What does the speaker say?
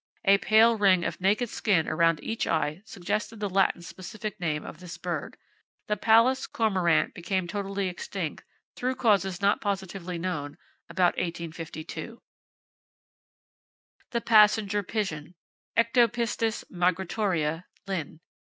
A pale ring of naked skin around each eye suggested the Latin specific name of this bird. The Pallas cormorant became totally extinct, through causes not positively known, about 1852. The Passenger Pigeon, —Ectopistes migratoria, (Linn.).